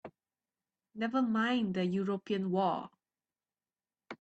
Never mind the European war!